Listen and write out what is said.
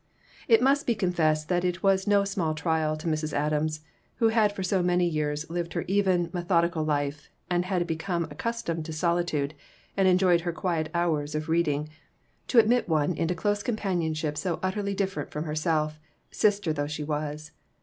It must be confessed it was no small trial to Mrs. Adams, who had for so many years lived her even, methodical life, and had become accus tomed to solitude, and enjoyed her quiet hours of reading, to admit one into close companionship so utterly different from herself, sister though she was.